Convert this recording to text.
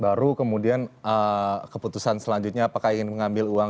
baru kemudian keputusan selanjutnya apakah ingin mengambil uang